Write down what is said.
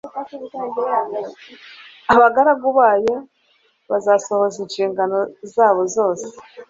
abagaragu bayo bazasohoza inshingano zabo zose